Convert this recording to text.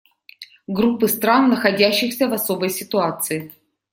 Группы стран, находящихся в особой ситуации.